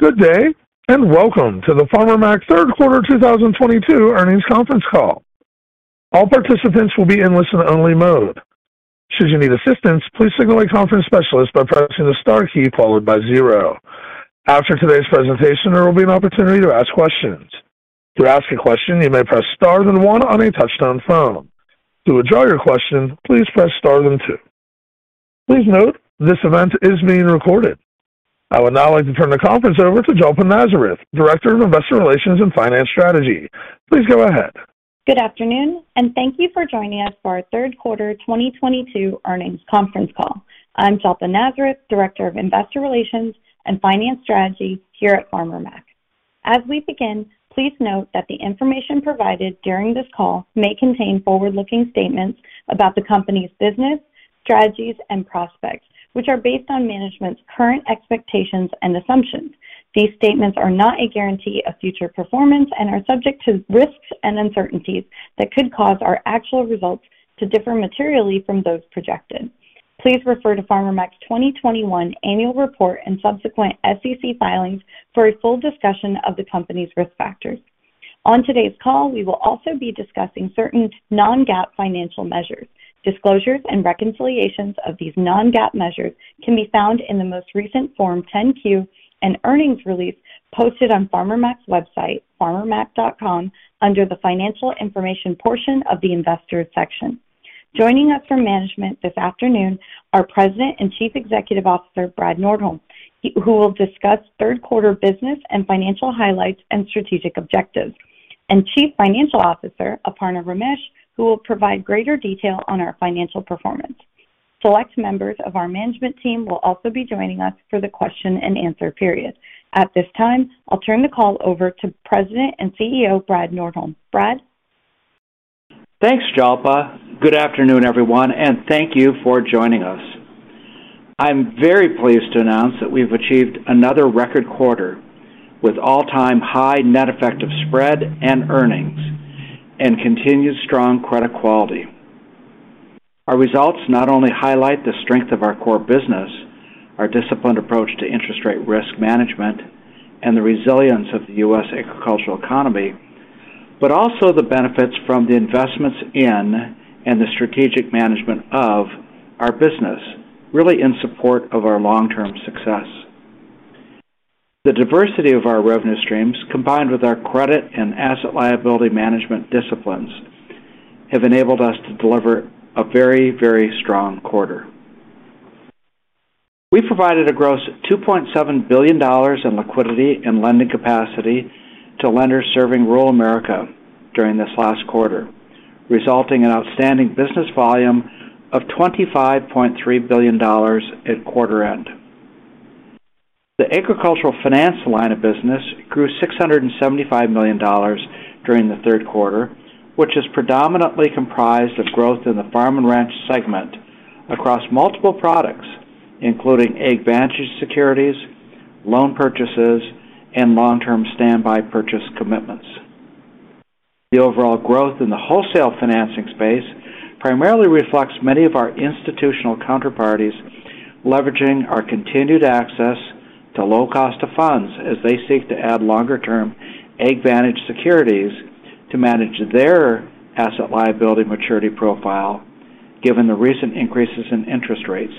Good day. Welcome to the Farmer Mac third quarter 2022 earnings conference call. All participants will be in listen-only mode. Should you need assistance, please signal a conference specialist by pressing the star key followed by 0. After today's presentation, there will be an opportunity to ask questions. To ask a question, you may press star then 1 on a touch-tone phone. To withdraw your question, please press star then 2. Please note this event is being recorded. I would now like to turn the conference over to Jalpa Nazareth, Director of Investor Relations and Finance Strategy. Please go ahead. Good afternoon. Thank you for joining us for our third quarter 2022 earnings conference call. I'm Jalpa Nazareth, Director of Investor Relations and Finance Strategy here at Farmer Mac. As we begin, please note that the information provided during this call may contain forward-looking statements about the company's business, strategies, and prospects, which are based on management's current expectations and assumptions. These statements are not a guarantee of future performance and are subject to risks and uncertainties that could cause our actual results to differ materially from those projected. Please refer to Farmer Mac's 2021 annual report and subsequent SEC filings for a full discussion of the company's risk factors. On today's call, we will also be discussing certain non-GAAP financial measures. Disclosures and reconciliations of these non-GAAP measures can be found in the most recent Form 10-Q and earnings release posted on Farmer Mac's website, farmermac.com, under the financial information portion of the investor section. Joining us from management this afternoon, our President and Chief Executive Officer, Brad Nordholm, who will discuss third quarter business and financial highlights and strategic objectives, and Chief Financial Officer, Aparna Ramesh, who will provide greater detail on our financial performance. Select members of our management team will also be joining us for the question and answer period. At this time, I'll turn the call over to President and CEO, Brad Nordholm. Brad? Thanks, Jalpa. Good afternoon, everyone. Thank you for joining us. I'm very pleased to announce that we've achieved another record quarter with all-time high net effective spread and earnings and continued strong credit quality. Our results not only highlight the strength of our core business, our disciplined approach to interest rate risk management, and the resilience of the U.S. agricultural economy, but also the benefits from the investments in and the strategic management of our business, really in support of our long-term success. The diversity of our revenue streams, combined with our credit and asset liability management disciplines, have enabled us to deliver a very, very strong quarter. We provided a gross $2.7 billion in liquidity and lending capacity to lenders serving rural America during this last quarter, resulting in outstanding business volume of $25.3 billion at quarter end. The agricultural finance line of business grew $675 million during the third quarter, which is predominantly comprised of growth in the Farm & Ranch segment across multiple products, including AgVantage securities, loan purchases, and long-term standby purchase commitments. The overall growth in the wholesale financing space primarily reflects many of our institutional counterparties leveraging our continued access to low cost of funds as they seek to add longer term AgVantage securities to manage their asset liability maturity profile given the recent increases in interest rates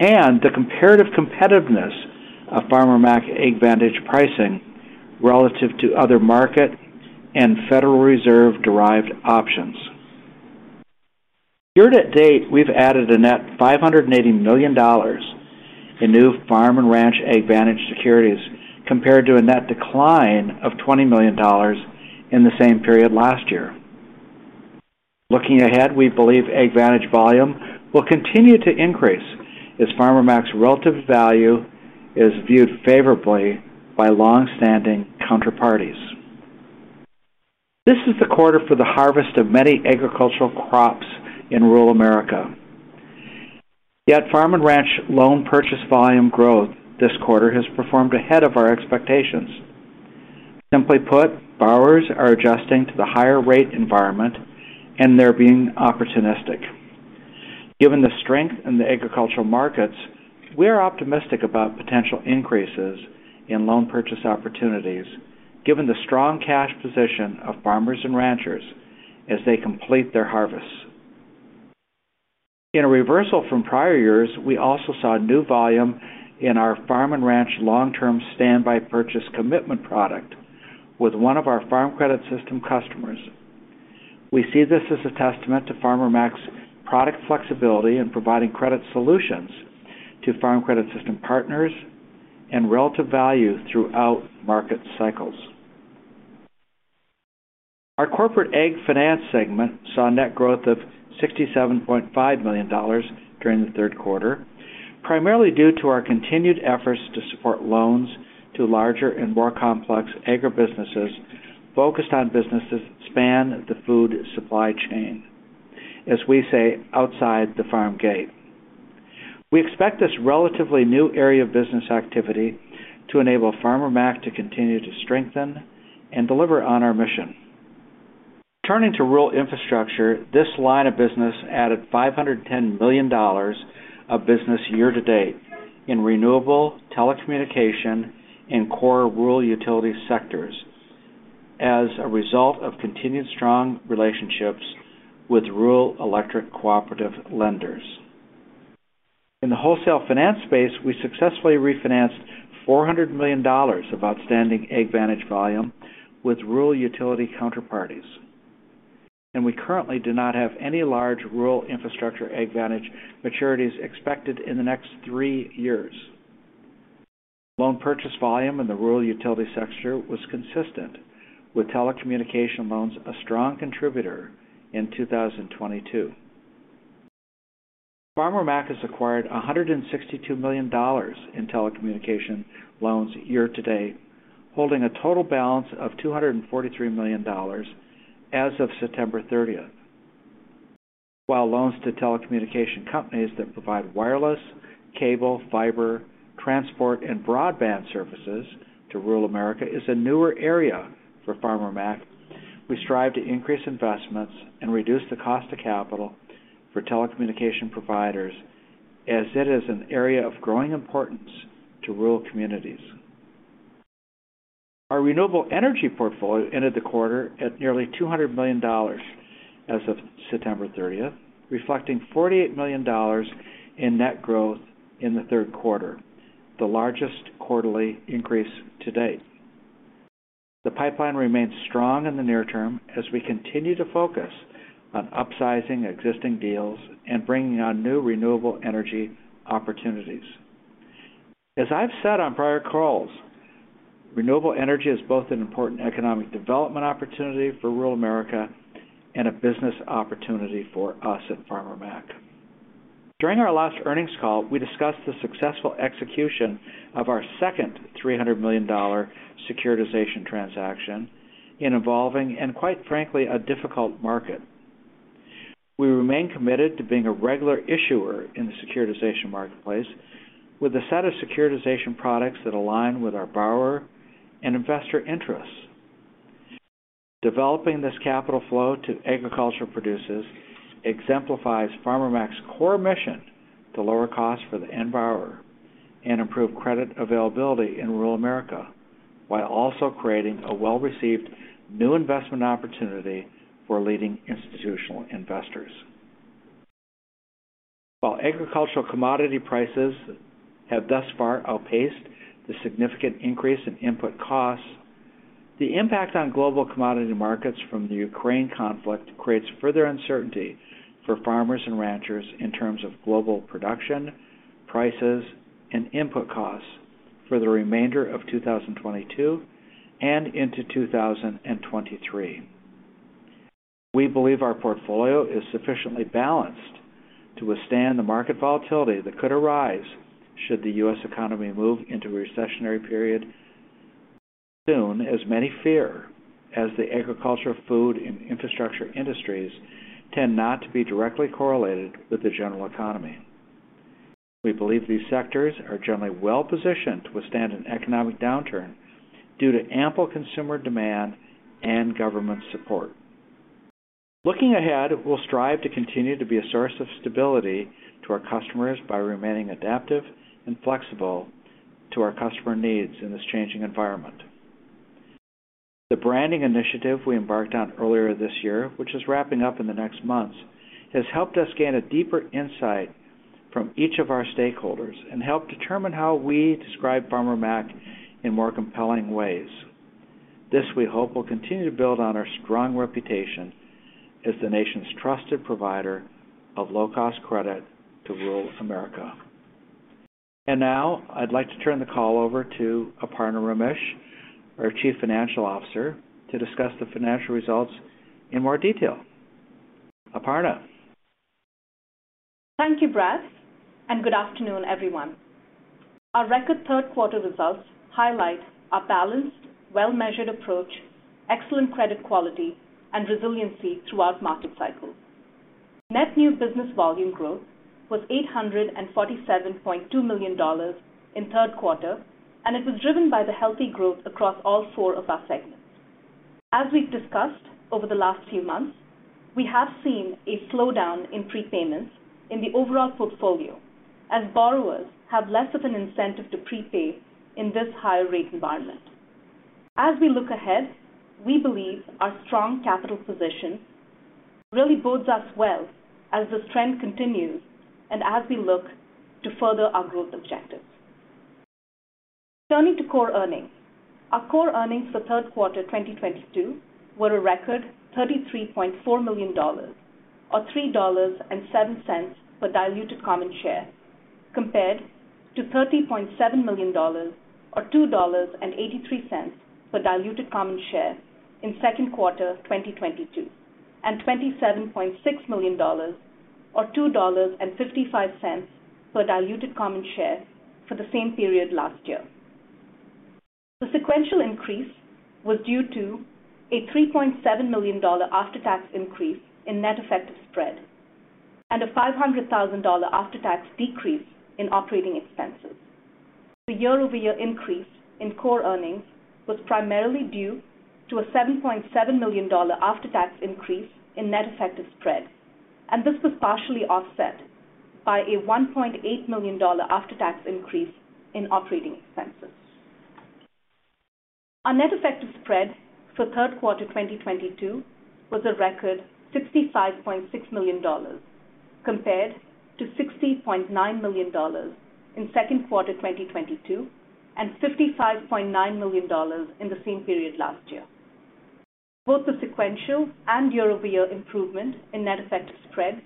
and the comparative competitiveness of Farmer Mac AgVantage pricing relative to other market and Federal Reserve derived options. Year to date, we've added a net $580 million in new Farm & Ranch AgVantage securities, compared to a net decline of $20 million in the same period last year. Looking ahead, we believe AgVantage volume will continue to increase as Farmer Mac's relative value is viewed favorably by longstanding counterparties. This is the quarter for the harvest of many agricultural crops in rural America. Yet Farm & Ranch loan purchase volume growth this quarter has performed ahead of our expectations. Simply put, borrowers are adjusting to the higher rate environment. They're being opportunistic. Given the strength in the agricultural markets, we are optimistic about potential increases in loan purchase opportunities given the strong cash position of farmers and ranchers as they complete their harvest. In a reversal from prior years, we also saw new volume in our Farm & Ranch long-term standby purchase commitment product with one of our Farm Credit System customers. We see this as a testament to Farmer Mac's product flexibility in providing credit solutions to Farm Credit System partners and relative value throughout market cycles. Our Corporate AgFinance segment saw net growth of $67.5 million during the third quarter, primarily due to our continued efforts to support loans to larger and more complex agribusinesses focused on businesses span the food supply chain, as we say, outside the farm gate. We expect this relatively new area of business activity to enable Farmer Mac to continue to strengthen and deliver on our mission. Turning to rural infrastructure, this line of business added $510 million of business year to date in renewable, telecommunication, and core rural utility sectors as a result of continued strong relationships with rural electric cooperative lenders. In the wholesale finance space, we successfully refinanced $400 million of outstanding AgVantage volume with rural utility counterparties. We currently do not have any large rural infrastructure AgVantage maturities expected in the next three years. Loan purchase volume in the rural utility sector was consistent, with telecommunication loans a strong contributor in 2022. Farmer Mac has acquired $162 million in telecommunication loans year to date, holding a total balance of $243 million as of September 30th. While loans to telecommunication companies that provide wireless, cable, fiber, transport, and broadband services to rural America is a newer area for Farmer Mac, we strive to increase investments and reduce the cost of capital for telecommunication providers, as it is an area of growing importance to rural communities. Our renewable energy portfolio ended the quarter at nearly $200 million as of September 30th, reflecting $48 million in net growth in the third quarter, the largest quarterly increase to date. The pipeline remains strong in the near term as we continue to focus on upsizing existing deals and bringing on new renewable energy opportunities. As I've said on prior calls, renewable energy is both an important economic development opportunity for rural America and a business opportunity for us at Farmer Mac. During our last earnings call, we discussed the successful execution of our second $300 million securitization transaction in evolving and, quite frankly, a difficult market. We remain committed to being a regular issuer in the securitization marketplace with a set of securitization products that align with our borrower and investor interests. Developing this capital flow to agriculture producers exemplifies Farmer Mac's core mission to lower costs for the end borrower and improve credit availability in rural America, while also creating a well-received new investment opportunity for leading institutional investors. While agricultural commodity prices have thus far outpaced the significant increase in input costs, the impact on global commodity markets from the Ukraine conflict creates further uncertainty for farmers and ranchers in terms of global production, prices, and input costs for the remainder of 2022 and into 2023. We believe our portfolio is sufficiently balanced to withstand the market volatility that could arise should the U.S. economy move into a recessionary period soon, as many fear, as the agriculture, food, and infrastructure industries tend not to be directly correlated with the general economy. We believe these sectors are generally well-positioned to withstand an economic downturn due to ample consumer demand and government support. Looking ahead, we'll strive to continue to be a source of stability to our customers by remaining adaptive and flexible to our customer needs in this changing environment. The branding initiative we embarked on earlier this year, which is wrapping up in the next months, has helped us gain a deeper insight from each of our stakeholders and helped determine how we describe Farmer Mac in more compelling ways. This, we hope, will continue to build on our strong reputation as the nation's trusted provider of low-cost credit to rural America. I'd like to turn the call over to Aparna Ramesh, our Chief Financial Officer, to discuss the financial results in more detail. Aparna? Thank you, Brad, good afternoon, everyone. Our record third quarter results highlight our balanced, well-measured approach, excellent credit quality, and resiliency throughout market cycles. Net new business volume growth was $847.2 million in third quarter, and it was driven by the healthy growth across all four of our segments. As we've discussed over the last few months, we have seen a slowdown in prepayments in the overall portfolio as borrowers have less of an incentive to prepay in this higher rate environment. As we look ahead, we believe our strong capital position really bodes us well as this trend continues and as we look to further our growth objectives. Turning to core earnings. Our core earnings for third quarter 2022 were a record $33.4 million, or $3.07 per diluted common share, compared to $30.7 million, or $2.83 per diluted common share in second quarter 2022, and $27.6 million, or $2.55 per diluted common share for the same period last year. The sequential increase was due to a $3.7 million after-tax increase in net effective spread and a $500,000 after-tax decrease in operating expenses. The year-over-year increase in core earnings was primarily due to a $7.7 million after-tax increase in net effective spread. This was partially offset by a $1.8 million after-tax increase in operating expenses. Our net effective spread for Q3 2022 was a record $65.6 million, compared to $60.9 million in Q2 2022 and $55.9 million in the same period last year. Both the sequential and year-over-year improvement in net effective spread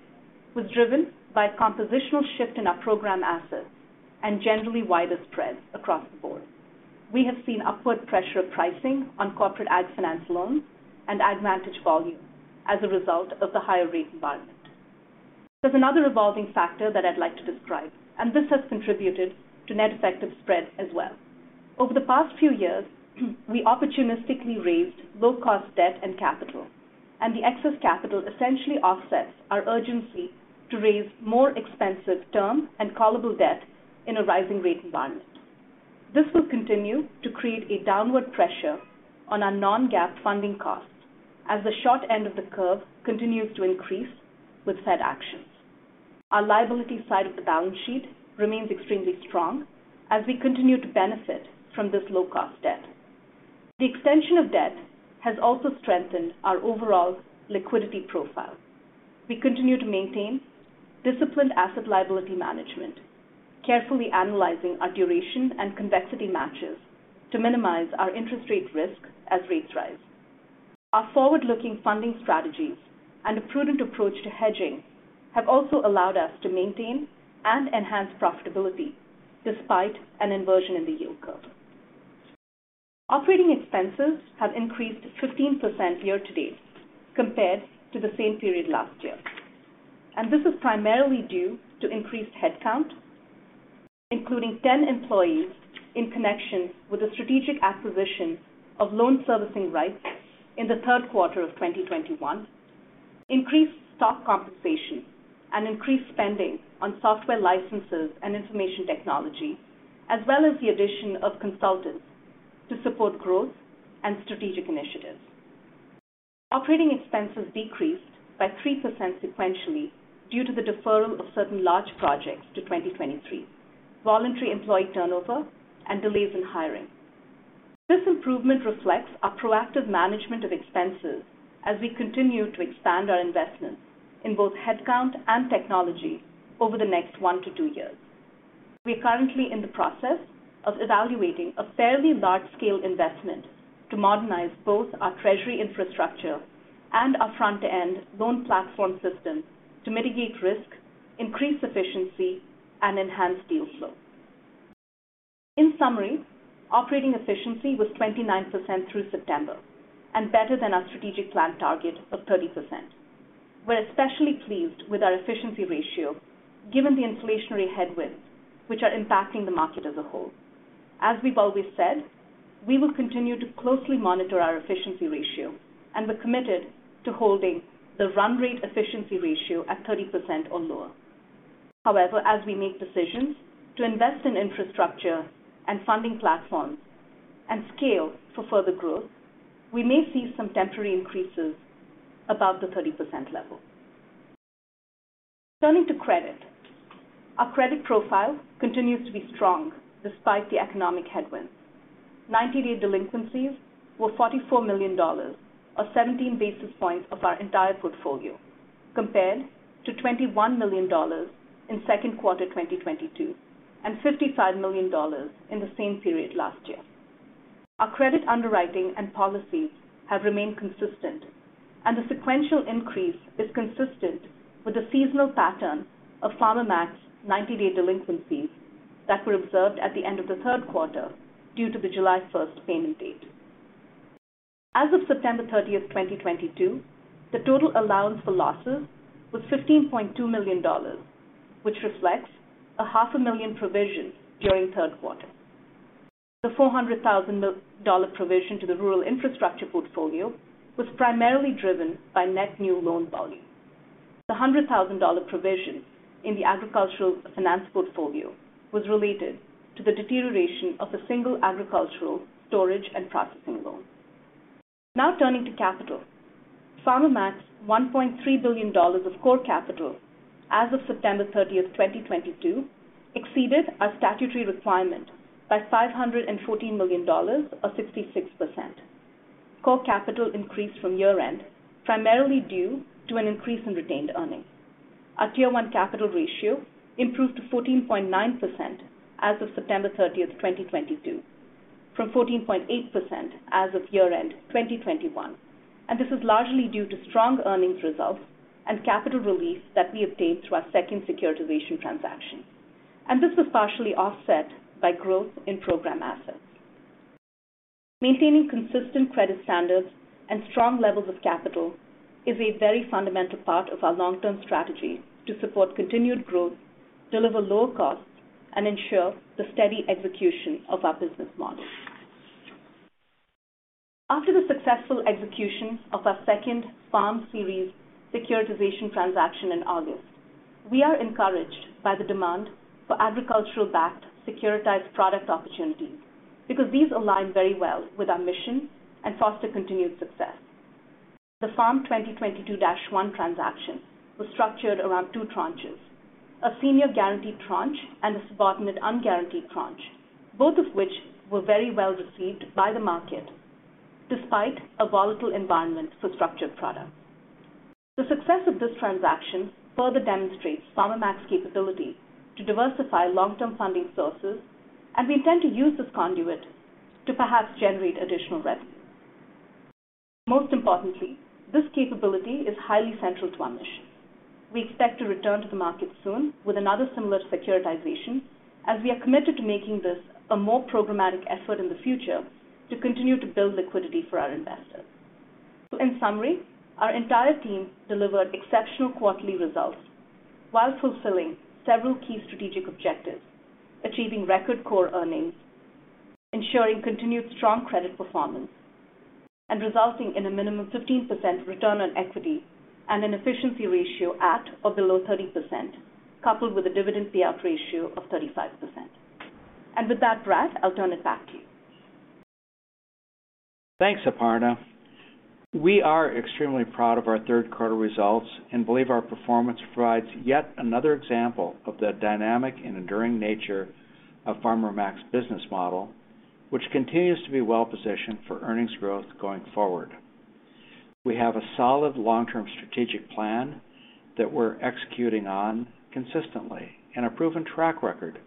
was driven by a compositional shift in our program assets and generally wider spreads across the board. We have seen upward pressure pricing on Corporate AgFinance loans and AgVantage volume as a result of the higher rate environment. There's another evolving factor that I'd like to describe. This has contributed to net effective spread as well. Over the past few years, we opportunistically raised low-cost debt and capital. The excess capital essentially offsets our urgency to raise more expensive term and callable debt in a rising rate environment. This will continue to create a downward pressure on our non-GAAP funding costs as the short end of the curve continues to increase with Fed actions. Our liability side of the balance sheet remains extremely strong as we continue to benefit from this low-cost debt. The extension of debt has also strengthened our overall liquidity profile. We continue to maintain disciplined asset liability management, carefully analyzing our duration and convexity matches to minimize our interest rate risk as rates rise. Our forward-looking funding strategies and a prudent approach to hedging have also allowed us to maintain and enhance profitability despite an inversion in the yield curve. Operating expenses have increased 15% year-to-date compared to the same period last year. This is primarily due to increased headcount, including 10 employees in connection with the strategic acquisition of loan servicing rights in the third quarter of 2021, increased stock compensation and increased spending on software licenses and information technology, as well as the addition of consultants to support growth and strategic initiatives. Operating expenses decreased by 3% sequentially due to the deferral of certain large projects to 2023, voluntary employee turnover, and delays in hiring. This improvement reflects our proactive management of expenses as we continue to expand our investments in both headcount and technology over the next one to two years. We are currently in the process of evaluating a fairly large-scale investment to modernize both our treasury infrastructure and our front-end loan platform systems to mitigate risk, increase efficiency, and enhance deal flow. In summary, operating efficiency was 29% through September and better than our strategic plan target of 30%. We're especially pleased with our efficiency ratio given the inflationary headwinds which are impacting the market as a whole. As we've always said, we will continue to closely monitor our efficiency ratio. We're committed to holding the run rate efficiency ratio at 30% or lower. However, as we make decisions to invest in infrastructure and funding platforms and scale for further growth, we may see some temporary increases above the 30% level. Turning to credit. Our credit profile continues to be strong despite the economic headwinds. 90-day delinquencies were $44 million, or 17 basis points of our entire portfolio, compared to $21 million in Q2 2022 and $55 million in the same period last year. The sequential increase is consistent with the seasonal pattern of Farmer Mac's 90-day delinquencies that were observed at the end of the third quarter due to the July 1st payment date. As of September 30th, 2022, the total allowance for losses was $15.2 million, which reflects a half a million provision during third quarter. The $400,000 provision to the rural infrastructure portfolio was primarily driven by net new loan volume. The $100,000 provision in the agricultural finance portfolio was related to the deterioration of a single agricultural storage and processing loan. Turning to capital. Farmer Mac's $1.3 billion of core capital as of September 30th, 2022, exceeded our statutory requirement by $514 million, or 66%. core capital increased from year-end, primarily due to an increase in retained earnings. Our Tier 1 capital ratio improved to 14.9% as of September 30th, 2022, from 14.8% as of year-end 2021. This is largely due to strong earnings results and capital release that we obtained through our second securitization transaction. This was partially offset by growth in program assets. Maintaining consistent credit standards and strong levels of capital is a very fundamental part of our long-term strategy to support continued growth, deliver low costs, and ensure the steady execution of our business model. After the successful execution of our second FARM Series securitization transaction in August, we are encouraged by the demand for agricultural-backed securitized product opportunities, because these align very well with our mission and foster continued success. The FARM 2022-1 transaction was structured around two tranches, a senior guaranteed tranche and a subordinate unguaranteed tranche, both of which were very well received by the market despite a volatile environment for structured products. The success of this transaction further demonstrates Farmer Mac's capability to diversify long-term funding sources. We intend to use this conduit to perhaps generate additional revenue. Most importantly, this capability is highly central to our mission. We expect to return to the market soon with another similar securitization, as we are committed to making this a more programmatic effort in the future to continue to build liquidity for our investors. In summary, our entire team delivered exceptional quarterly results while fulfilling several key strategic objectives, achieving record core earnings, ensuring continued strong credit performance, and resulting in a minimum 15% return on equity and an efficiency ratio at or below 30%, coupled with a dividend payout ratio of 35%. With that, Brad, I'll turn it back to you. Thanks, Aparna. We are extremely proud of our third quarter results and believe our performance provides yet another example of the dynamic and enduring nature of Farmer Mac's business model, which continues to be well-positioned for earnings growth going forward. We have a solid long-term strategic plan that we're executing on consistently and a proven track record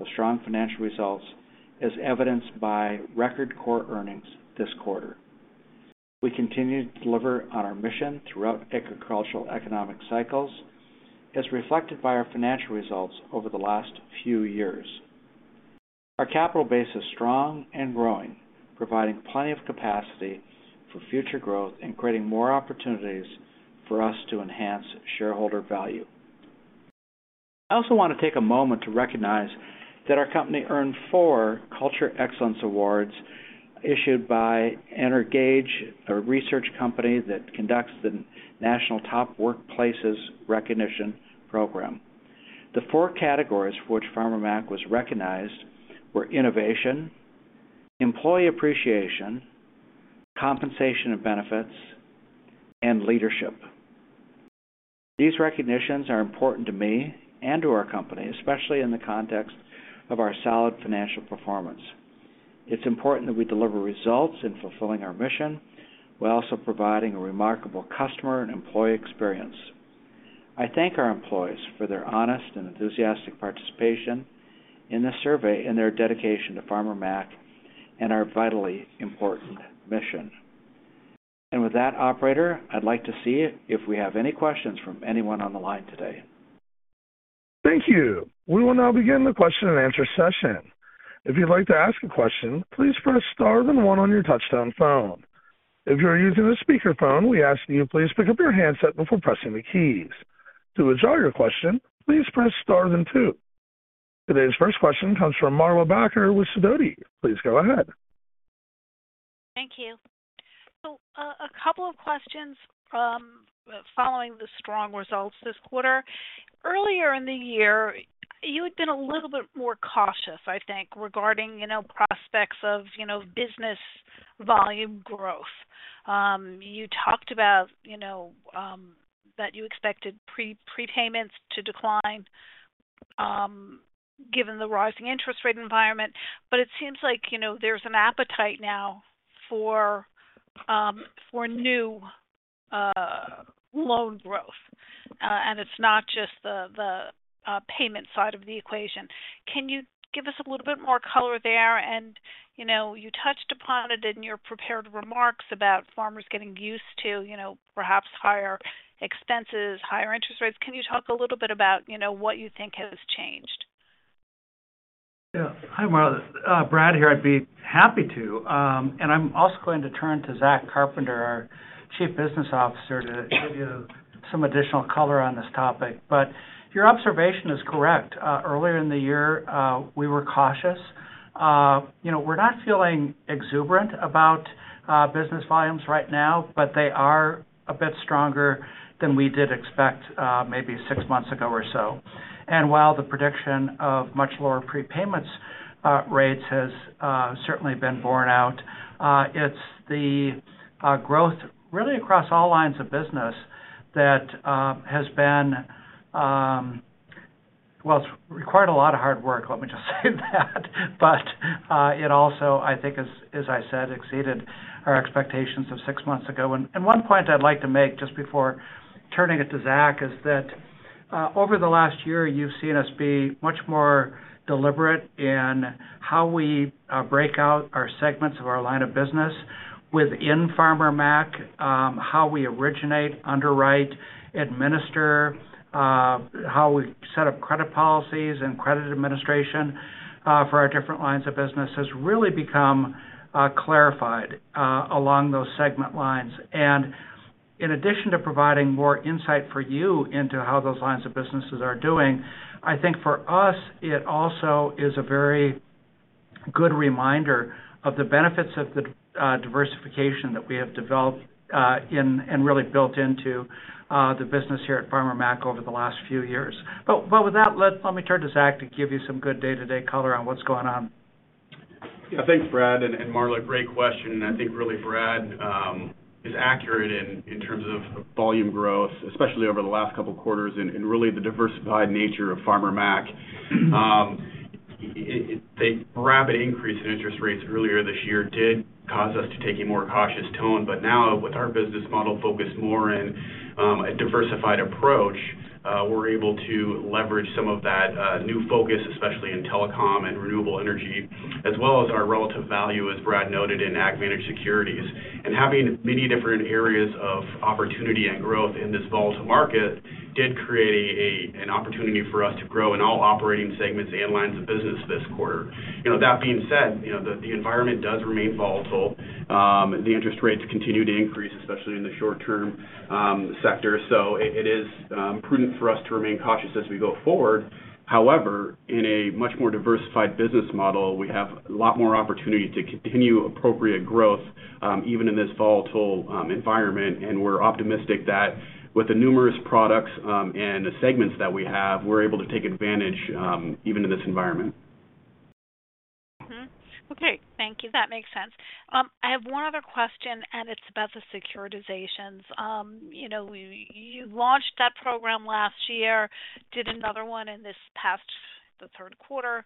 of strong financial results, as evidenced by record core earnings this quarter. We continue to deliver on our mission throughout agricultural economic cycles, as reflected by our financial results over the last few years. Our capital base is strong and growing, providing plenty of capacity for future growth and creating more opportunities for us to enhance shareholder value. I also want to take a moment to recognize that our company earned four Culture Excellence Awards issued by Energage, a research company that conducts the national Top Workplaces recognition program. The four categories for which Farmer Mac was recognized were innovation, employee appreciation, compensation and benefits, and leadership. These recognitions are important to me and to our company, especially in the context of our solid financial performance. It's important that we deliver results in fulfilling our mission, while also providing a remarkable customer and employee experience. I thank our employees for their honest and enthusiastic participation in this survey and their dedication to Farmer Mac and our vitally important mission. With that, operator, I'd like to see if we have any questions from anyone on the line today. Thank you. We will now begin the question and answer session. If you'd like to ask a question, please press star then 1 on your touch-tone phone. If you are using a speakerphone, we ask that you please pick up your handset before pressing the keys. To withdraw your question, please press star then 2. Today's first question comes from Marwa Baker with Sidoti. Please go ahead. A couple of questions from following the strong results this quarter. Earlier in the year, you had been a little bit more cautious, I think, regarding prospects of business volume growth. You talked about that you expected prepayments to decline given the rising interest rate environment. It seems like there's an appetite now for new loan growth, and it's not just the payment side of the equation. Can you give us a little bit more color there? You touched upon it in your prepared remarks about farmers getting used to perhaps higher expenses, higher interest rates. Can you talk a little bit about what you think has changed? Yeah. Hi, Marwa. Brad here. I'd be happy to. I'm also going to turn to Zach Carpenter, our Chief Business Officer, to give you some additional color on this topic. Your observation is correct. Earlier in the year, we were cautious. We're not feeling exuberant about business volumes right now. They are a bit stronger than we did expect maybe six months ago or so. While the prediction of much lower prepayment rates has certainly been borne out, it's the growth really across all lines of business that has been. Well, it's required a lot of hard work, let me just say that. It also, I think, as I said, exceeded our expectations of six months ago. One point I'd like to make just before turning it to Zach is that over the last year, you've seen us be much more deliberate in how we break out our segments of our line of business within Farmer Mac, how we originate, underwrite, administer, how we set up credit policies and credit administration for our different lines of business has really become clarified along those segment lines. In addition to providing more insight for you into how those lines of businesses are doing, I think for us, it also is a very good reminder of the benefits of the diversification that we have developed and really built into the business here at Farmer Mac over the last few years. With that, let me turn to Zach to give you some good day-to-day color on what's going on. Yeah. Thanks, Brad. Marwa, great question. I think really Brad is accurate in terms of volume growth, especially over the last couple of quarters. Really the diversified nature of Farmer Mac. The rapid increase in interest rates earlier this year did cause us to take a more cautious tone. Now, with our business model focused more in a diversified approach, we're able to leverage some of that new focus, especially in telecom and renewable energy, as well as our relative value, as Brad noted, in AgVantage securities. Having many different areas of opportunity and growth in this volatile market did create an opportunity for us to grow in all operating segments and lines of business this quarter. That being said, the environment does remain volatile. The interest rates continue to increase, especially in the short-term sector. It is prudent for us to remain cautious as we go forward. However, in a much more diversified business model, we have a lot more opportunity to continue appropriate growth even in this volatile environment. We're optimistic that with the numerous products and the segments that we have, we're able to take advantage even in this environment. Okay. Thank you. That makes sense. I have one other question, and it's about the securitizations. You launched that program last year, did another one in this past, the third quarter.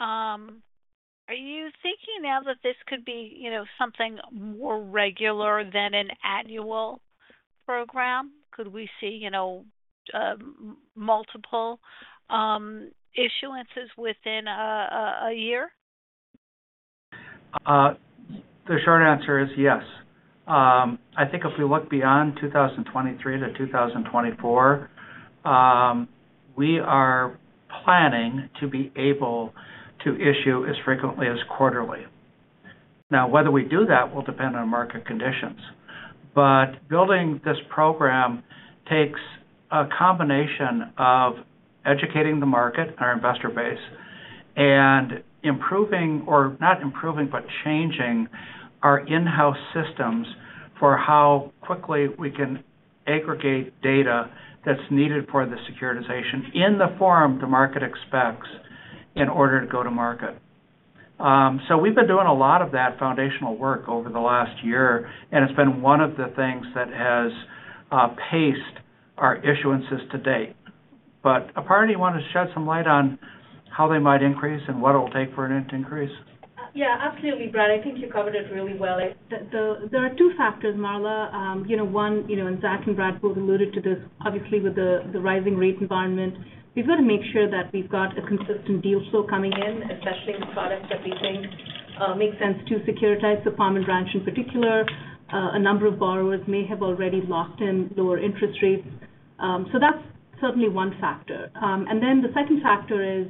Are you thinking now that this could be something more regular than an annual program? Could we see multiple issuances within a year? The short answer is yes. I think if we look beyond 2023 to 2024, we are planning to be able to issue as frequently as quarterly. Whether we do that will depend on market conditions. Building this program takes a combination of educating the market, our investor base, and improving, or not improving, but changing our in-house systems for how quickly we can aggregate data that's needed for the securitization in the form the market expects in order to go to market. We've been doing a lot of that foundational work over the last year, and it's been one of the things that has paced our issuances to date. Aparna, you want to shed some light on how they might increase and what it'll take for it to increase? Yeah, absolutely, Brad. I think you covered it really well. There are two factors, Marwa. One, Zach and Brad both alluded to this, obviously, with the rising rate environment, we've got to make sure that we've got a consistent deal flow coming in, especially in products that we think make sense to securitize. Farm & Ranch in particular. A number of borrowers may have already locked in lower interest rates. That's certainly one factor. The second factor is,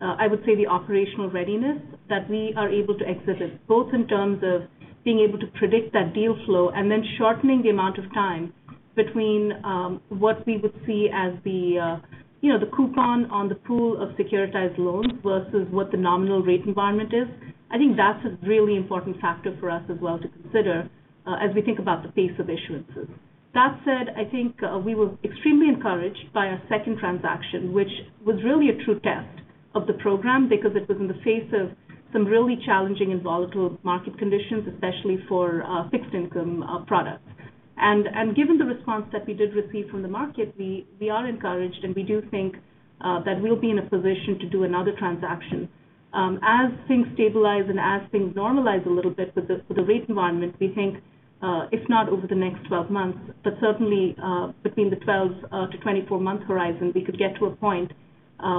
I would say the operational readiness that we are able to exhibit, both in terms of being able to predict that deal flow and then shortening the amount of time between what we would see as the coupon on the pool of securitized loans versus what the nominal rate environment is. I think that's a really important factor for us as well to consider as we think about the pace of issuances. That said, I think we were extremely encouraged by our second transaction, which was really a true test of the program because it was in the face of some really challenging and volatile market conditions, especially for fixed income products. Given the response that we did receive from the market, we are encouraged, and we do think that we'll be in a position to do another transaction. As things stabilize and as things normalize a little bit with the rate environment, we think if not over the next 12 months, but certainly between the 12- to 24-month horizon, we could get to a point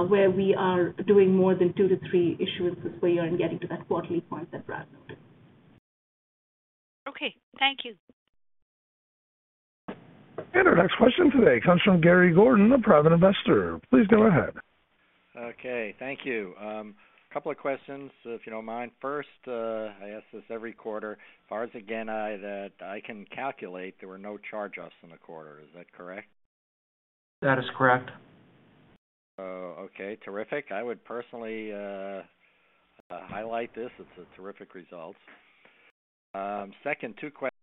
where we are doing more than two to three issuances per year and getting to that quarterly point that Brad noted. Okay. Thank you. Our next question today comes from Gary Gordon, a Private Investor. Please go ahead. Okay. Thank you. Couple of questions, if you don't mind. First, I ask this every quarter. As far as I can calculate, there were no charge-offs in the quarter. Is that correct? That is correct. Okay. Terrific. I would personally highlight this. It's a terrific result. Second, two questions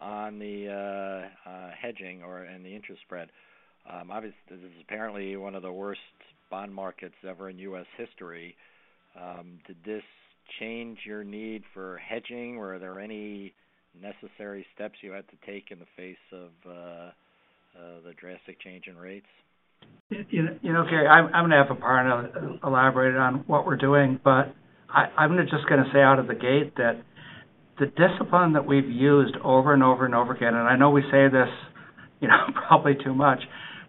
on the hedging and the interest spread. Obviously, this is apparently one of the worst bond markets ever in U.S. history. Did this change your need for hedging, or are there any necessary steps you had to take in the face of the drastic change in rates? Gary, I'm going to have Aparna elaborate on what we're doing. I'm just going to say out of the gate that the discipline that we've used over and over and over again, I know we say this probably too much,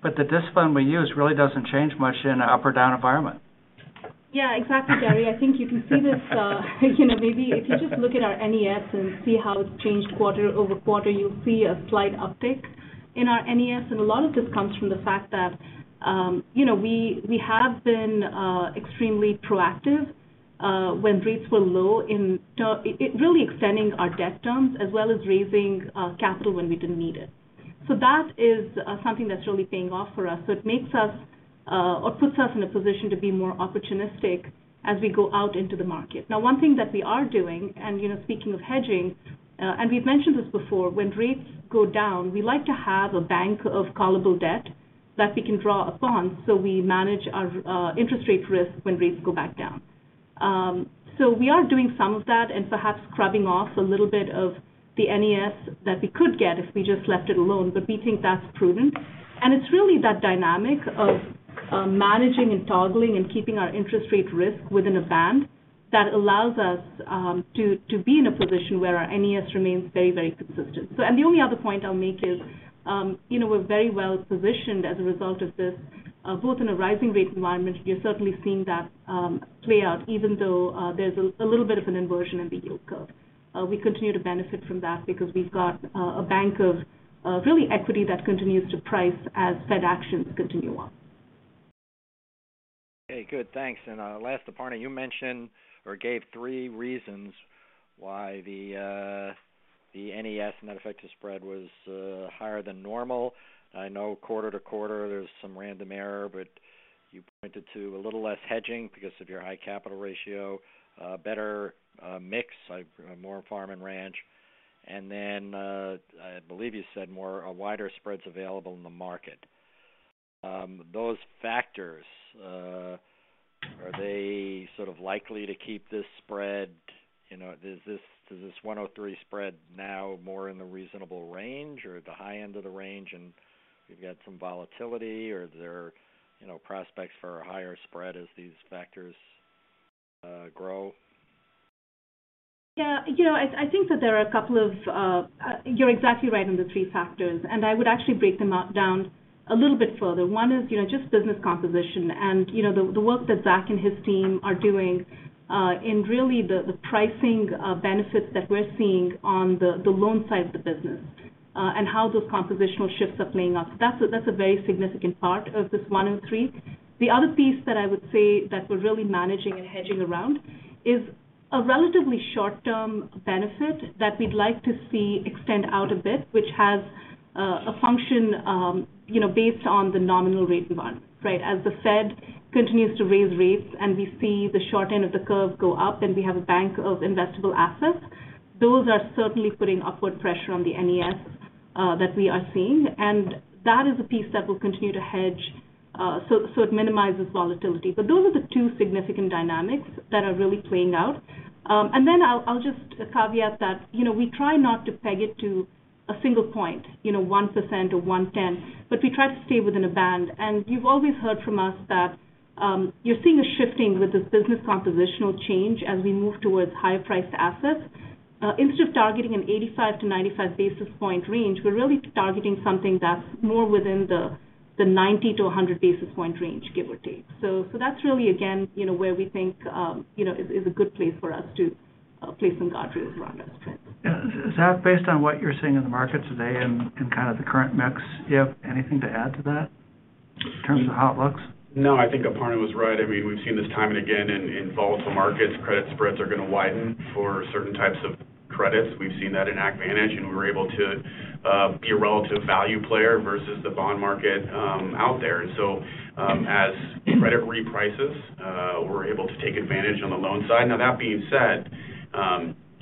the discipline we use really doesn't change much in an up or down environment. Yeah, exactly, Gary. I think if you see this, maybe if you just look at our NES and see how it changed quarter-over-quarter, you'll see a slight uptick in our NES. A lot of this comes from the fact that we have been extremely proactive when rates were low in really extending our debt terms as well as raising capital when we didn't need it. That is something that's really paying off for us. It makes us or puts us in a position to be more opportunistic as we go out into the market. Now, one thing that we are doing, speaking of hedging, we've mentioned this before, when rates go down, we like to have a bank of callable debt that we can draw upon so we manage our interest rate risk when rates go back down. We are doing some of that and perhaps scrubbing off a little bit of the NES that we could get if we just left it alone. We think that's prudent. It's really that dynamic of managing and toggling and keeping our interest rate risk within a band that allows us to be in a position where our NES remains very consistent. The only other point I'll make is we're very well positioned as a result of this, both in a rising rate environment, we are certainly seeing that play out even though there's a little bit of an inversion in the yield curve. We continue to benefit from that because we've got a bank of really equity that continues to price as Fed actions continue on. Last, Aparna, you mentioned or gave three reasons why the NES, net effective spread, was higher than normal. I know quarter to quarter there's some random error, but you pointed to a little less hedging because of your high capital ratio, better mix, more Farm & Ranch, and then I believe you said more wider spreads available in the market. Those factors, are they sort of likely to keep this spread, is this 103 spread now more in the reasonable range or the high end of the range and we've got some volatility or are there prospects for a higher spread as these factors grow? Yeah. I think that you're exactly right on the three factors. I would actually break them down a little bit further. One is just business composition and the work that Zach and his team are doing in really the pricing benefits that we're seeing on the loan side of the business and how those compositional shifts are playing out. That's a very significant part of this 103. The other piece that I would say that we're really managing and hedging around is a relatively short term benefit that we'd like to see extend out a bit, which has a function based on the nominal rate environment, right? As the Fed continues to raise rates and we see the short end of the curve go up and we have a bank of investable assets, those are certainly putting upward pressure on the NES that we are seeing. That is a piece that we'll continue to hedge so it minimizes volatility. Those are the two significant dynamics that are really playing out. Then I'll just caveat that we try not to peg it to a single point, 1% or one tenth, but we try to stay within a band. You've always heard from us that you're seeing a shifting with this business compositional change as we move towards higher priced assets. Instead of targeting an 85-95 basis point range, we're really targeting something that's more within the 90-100 basis point range, give or take. That's really, again, where we think is a good place for us to place some guardrails around that spread. Zach, based on what you're seeing in the market today and kind of the current mix, do you have anything to add to that in terms of how it looks? No, I think Aparna was right. We've seen this time and again in volatile markets, credit spreads are going to widen for certain types of credits. We've seen that in AgVantage, we were able to be a relative value player versus the bond market out there. As credit reprices we're able to take advantage on the loan side. Now that being said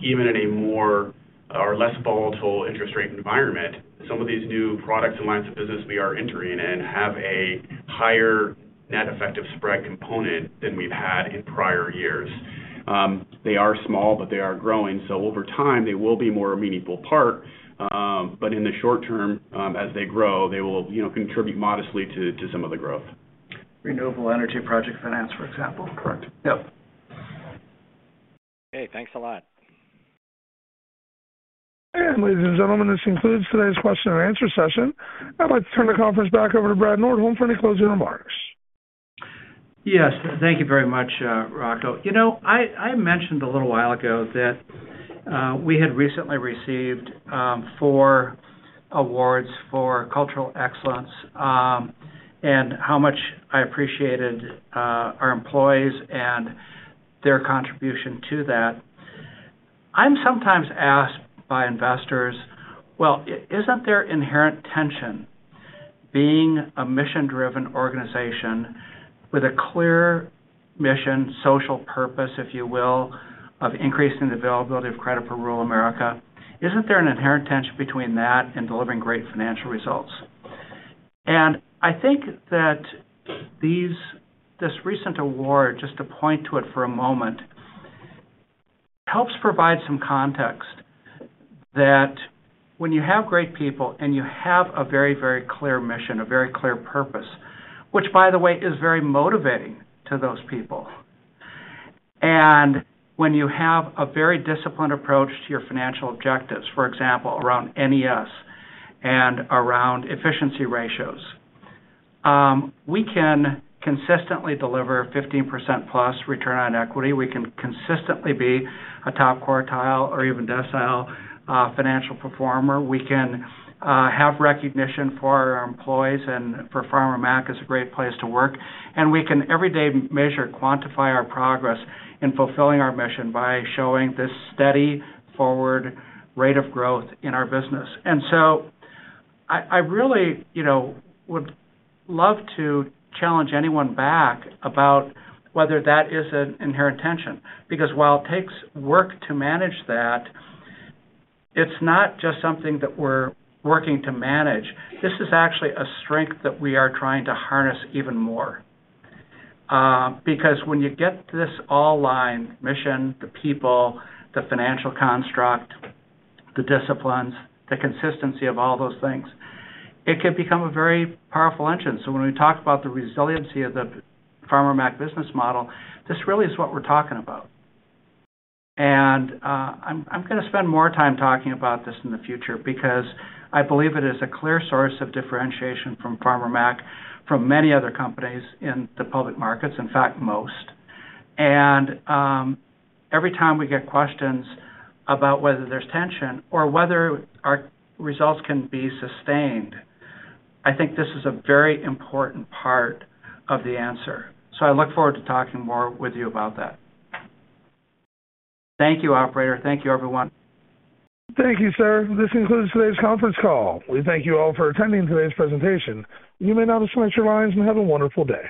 even in a more or less volatile interest rate environment, some of these new products and lines of business we are entering in have a higher net effective spread component than we've had in prior years. They are small, but they are growing, Over time they will be a more meaningful part. In the short term, as they grow, they will contribute modestly to some of the growth. Renewable energy project finance, for example. Correct. Yep. Okay, thanks a lot. Ladies and gentlemen, this concludes today's question and answer session. I'd like to turn the conference back over to Brad Nordholm for any closing remarks. Yes. Thank you very much, Rocco. I mentioned a little while ago that we had recently received four awards for cultural excellence and how much I appreciated our employees and their contribution to that. I'm sometimes asked by investors, "Well, isn't there inherent tension being a mission-driven organization with a clear mission, social purpose, if you will, of increasing the availability of credit for rural America? Isn't there an inherent tension between that and delivering great financial results?" I think that this recent award, just to point to it for a moment, helps provide some context that when you have great people and you have a very clear mission, a very clear purpose, which by the way is very motivating to those people. When you have a very disciplined approach to your financial objectives, for example, around NES and around efficiency ratios, we can consistently deliver 15%+ return on equity. We can consistently be a top quartile or even decile financial performer. We can have recognition for our employees and for Farmer Mac as a great place to work. We can every day measure, quantify our progress in fulfilling our mission by showing this steady forward rate of growth in our business. I really would love to challenge anyone back about whether that is an inherent tension, because while it takes work to manage that, it's not just something that we're working to manage. This is actually a strength that we are trying to harness even more. When you get this all line mission, the people, the financial construct, the disciplines, the consistency of all those things, it can become a very powerful engine. When we talk about the resiliency of the Farmer Mac business model, this really is what we're talking about. I'm going to spend more time talking about this in the future because I believe it is a clear source of differentiation from Farmer Mac from many other companies in the public markets. In fact, most. Every time we get questions about whether there's tension or whether our results can be sustained, I think this is a very important part of the answer. I look forward to talking more with you about that. Thank you, operator. Thank you, everyone. Thank you, sir. This concludes today's conference call. We thank you all for attending today's presentation. You may now disconnect your lines and have a wonderful day.